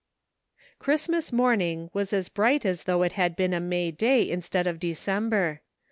Christmas morning was as bright as though it had been a May day instead of December.